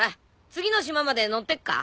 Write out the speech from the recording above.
次の島まで乗ってくか？